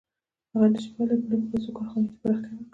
هغه نشي کولی په لږو پیسو کارخانې ته پراختیا ورکړي